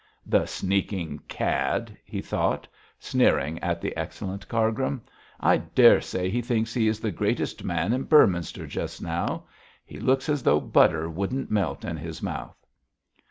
'The sneaking cad!' he thought, sneering at the excellent Cargrim. 'I dare say he thinks he is the greatest man in Beorminster just now. He looks as though butter wouldn't melt in his mouth.'